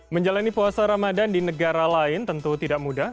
menjalani puasa ramadan di negara lain tentu tidak mudah